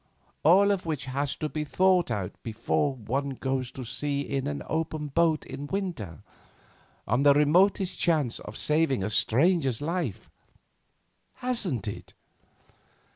All of which has to be thought of before one goes to sea in an open boat in winter, on the remotest chance of saving a stranger's life—hasn't it?"